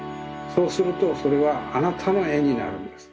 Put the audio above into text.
そうするとそれはあなたのえになるんです。